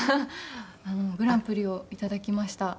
グランプリを頂きました。